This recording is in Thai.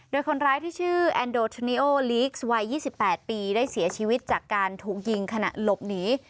โดยคนร้ายที่ชื่อแอนโดเทนิโอลีกส์วัย๒๘ปีได้เสียชีวิตจากการถูกยิงขณะหลบหนี